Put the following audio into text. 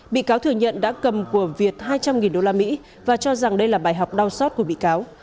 bị cáo thừa nhận đã cầm của việt hai trăm linh usd và cho rằng đây là bài học đau sót của bị cáo